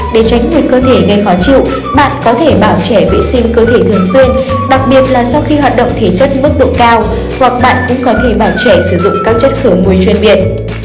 để tránh một cơ thể gây khó chịu bạn có thể bảo trẻ vệ sinh cơ thể thường xuyên đặc biệt là sau khi hoạt động thể chất mức độ cao hoặc bạn cũng có thể bảo trẻ sử dụng các chất khử mùi chuyên biệt